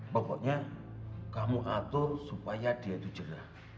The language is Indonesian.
pokoknya kamu atur supaya dia itu jerah